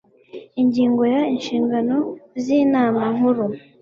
ingingo ya inshingano z inama nkuru